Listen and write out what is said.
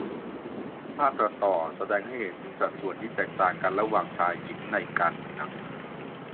ภาพตัดต่อ แสดงให้เห็นถึงสัดส่วนที่แตกต่างกันระหว่างชายหญิงในการเมือง